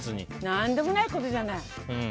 何でもないことじゃない。